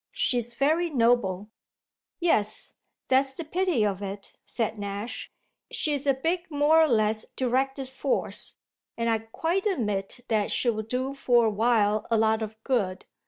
She's very noble." "Yes, that's the pity of it," said Nash. "She's a big more or less directed force, and I quite admit that she'll do for a while a lot of good.